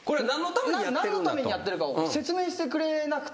何のためにやってるかを説明してくれなくて。